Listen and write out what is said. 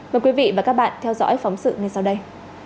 mời quý vị và các bạn theo dõi phóng sự ngay sau đây